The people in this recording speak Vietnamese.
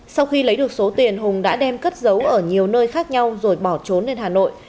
sau khi lấy được số tiền hùng đã đem cất giấu ở nhiều nơi khác nhau rồi bỏ trốn lên hà nội